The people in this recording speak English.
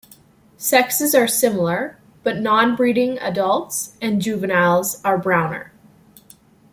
Sexes are similar, but non-breeding adults and juveniles are browner.